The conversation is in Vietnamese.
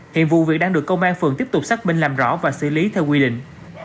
hiện vụ việc đang được công an phường tiếp tục xác minh làm rõ và xử lý theo quy định